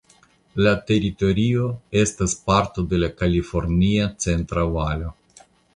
La teritorio estas parto de la Kalifornia Centra Valo.